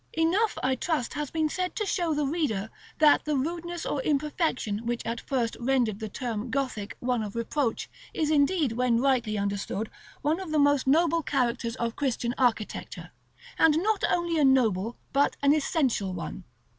Enough, I trust, has been said to show the reader that the rudeness or imperfection which at first rendered the term "Gothic" one of reproach is indeed, when rightly understood, one of the most noble characters of Christian architecture, and not only a noble but an essential one.